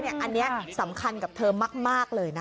อันนี้สำคัญกับเธอมากเลยนะคะ